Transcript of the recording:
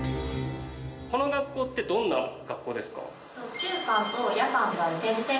この学校ってどんな学校ですか？